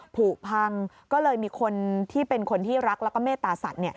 ผูกพังก็เลยมีคนที่เป็นคนที่รักแล้วก็เมตตาสัตว์